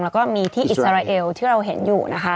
แล้วก็มีที่อิสราเอลที่เราเห็นอยู่นะคะ